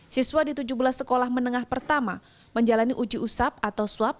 siswa di tujuh belas sekolah menengah pertama menjalani uji usap atau swab